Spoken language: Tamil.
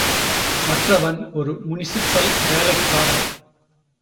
மற்றவன் ஒரு முனிசிப்பல் வேலைக்காரன்.